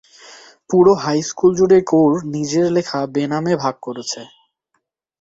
পুরো high school জুড়েই কৌর নিজের লেখা বেনামে ভাগ করেছেন।